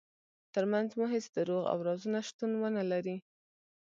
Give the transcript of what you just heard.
ترمنځ مو هیڅ دروغ او رازونه شتون ونلري.